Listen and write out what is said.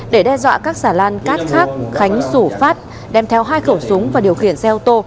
để đe dọa các xà lan cát khác khánh rủ phát đem theo hai khẩu súng và điều khiển xe ô tô